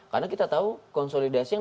karena kita tahu konsolidasi yang